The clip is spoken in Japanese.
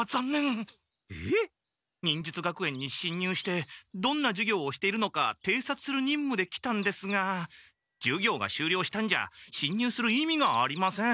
忍術学園にしんにゅうしてどんな授業をしているのかていさつするにんむで来たんですが授業がしゅうりょうしたんじゃしんにゅうする意味がありません。